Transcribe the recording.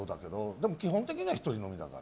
でも基本的には１人飲みだから。